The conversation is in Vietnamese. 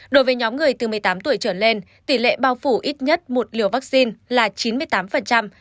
đối với nhóm người từ một mươi tám tuổi trở lên tỷ lệ bao phủ ít nhất một liều vaccine là chín mươi tám